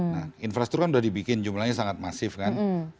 nah infrastruktur kan sudah dibikin jumlahnya sangat masif kan